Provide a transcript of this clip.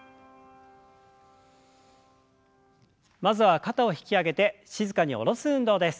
まずは肩を引き上げて静かに下ろす運動です。